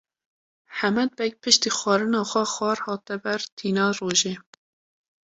Hemed Beg piştî xwarina xwe xwar hate ber tîna rojê.